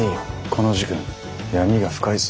この事件闇が深いぞ。